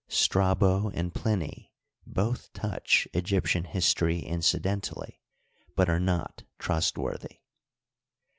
Strabo and Pliny both touch Egyptian history incidentally, but are not trustworthy.